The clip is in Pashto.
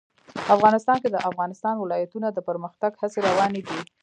افغانستان کې د د افغانستان ولايتونه د پرمختګ هڅې روانې دي.